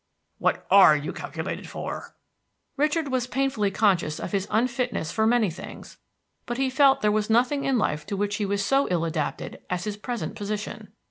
"What are you calculated for?" Richard was painfully conscious of his unfitness for many things; but he felt there was nothing in life to which he was so ill adapted as his present position.